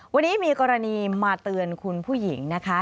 วันนี้มีกรณีมาเตือนคุณผู้หญิงนะคะ